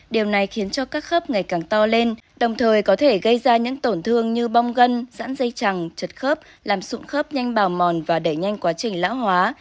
điều này khiến cho các khớp ngày càng to lên đồng thời có thể gây ra những tổn thương như bong gân sẵn dây chẳng chật khớp làm sụn khớp nhanh bào mòn và đẩy nhanh quá trình lão hóa